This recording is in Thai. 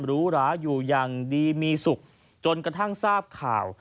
หรูหราอยู่อย่างดีมีสุขจนกระทั่งทราบข่าว